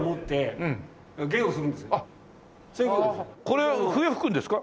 これ笛吹くんですか？